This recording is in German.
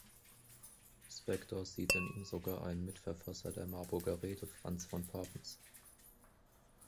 Spector sieht in ihm sogar einen Mitverfasser der Marburger Rede Franz von Papens.